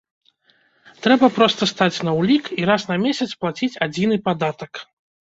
Трэба проста стаць на ўлік і раз на месяц плаціць адзіны падатак.